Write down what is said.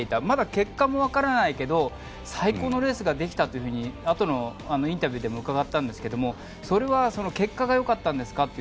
まだ結果もわからないけど最高のレースができたとあとのインタビューでも伺ったんですがそれは結果がよかったんですか？